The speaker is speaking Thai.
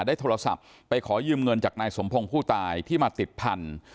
ได้โทรศัพท์ไปขอยืมเงินจากนายสมพงศ์ผู้ตายที่มาติดพันธุ์